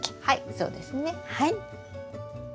はいそうですね。